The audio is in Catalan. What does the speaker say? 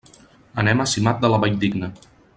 Anem a Simat de la Valldigna.